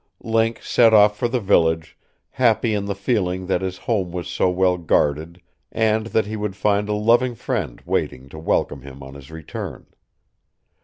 Link set off for the village, happy in the feeling that his home was so well guarded and that he would find a loving friend waiting to welcome him on his return.